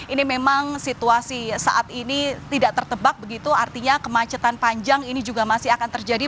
ini memang situasi saat ini tidak tertebak begitu artinya kemacetan panjang ini juga masih akan terjadi